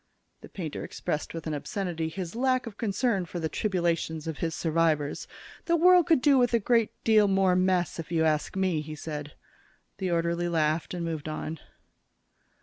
The painter expressed with an obscenity his lack of concern for the tribulations of his survivors. "The world could do with a good deal more mess, if you ask me," he said. The orderly laughed and moved on.